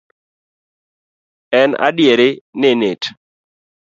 En adier ni nit